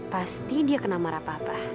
pasti dia kena marah papa